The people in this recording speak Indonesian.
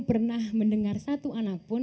pernah mendengar satu anak pun